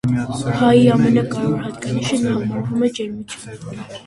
Հայի ամենակարևոր հատկանիշը նա համարում է ջերմությունը։